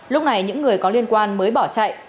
lúc này những người có liên quan mới bỏ chạy